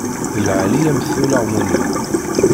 D lɛali-yam-t ulaɣmu-nni.